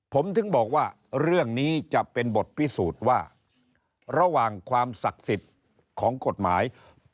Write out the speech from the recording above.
ผมถึงบอกว่าเรื่องนี้จะเป็นบทพิสูจน์ว่าระหว่างความศักดิ์สิทธิ์ของกฎหมาย